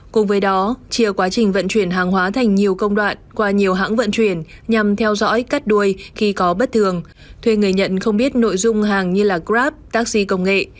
cùng với đó chia quá trình vận chuyển hàng hóa thành nhiều công đoạn qua nhiều hãng vận chuyển nhằm theo dõi cắt đuôi khi có bất thường thuê người nhận không biết nội dung hàng như là grab taxi công nghệ